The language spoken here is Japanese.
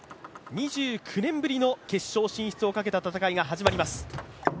２９年ぶりの決勝進出をかけた戦いが始まります。